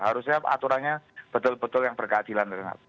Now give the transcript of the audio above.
harusnya aturannya betul betul yang berkeadilan renat